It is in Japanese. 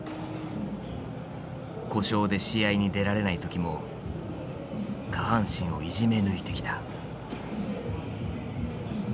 故障で試合に出られない時も下半身をいじめ抜いてきた。